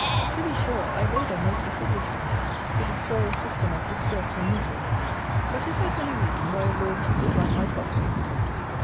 To be sure, I labour most assiduously to destroy a system of distress and misery; but is that any reason why a Lord should dislike my politics?